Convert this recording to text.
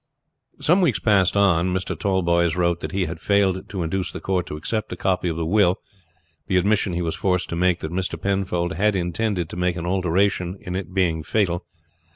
Some weeks passed on. Mr. Tallboys wrote that he had failed to induce the court to accept the copy of the will, the admission he was forced to make that Mr. Penfold had intended to make an alteration in it being fatal.